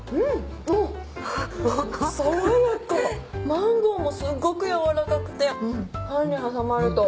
マンゴーもすっごくやわらかくてパンに挟まると。